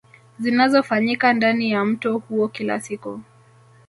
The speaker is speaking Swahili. Zinazofanyika ndani ya mto huo kila siku